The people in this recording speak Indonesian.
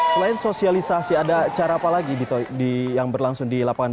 selain sosialisasi ada cara apa lagi yang berlangsung di lapangan